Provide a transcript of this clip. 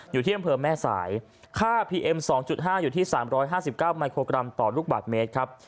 อยู่ที่ห้ามเมืองแม่สายค่าพีเอ็มสองจุดห้าอยู่ที่สามร้อยห้าสิบเก้าไมโครกรัมต่อลูกบาทเมตรครับ